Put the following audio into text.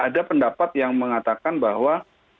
ada pendapat yang mengatakan bahwa